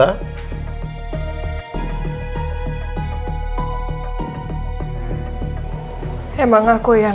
kenapa dia bisa bikin feel gimana harus dikode baron